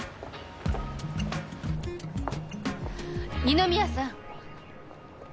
二宮さん。